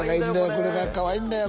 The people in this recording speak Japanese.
これがかわいいんだよ」